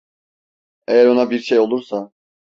Eğer ona bir şey olursa…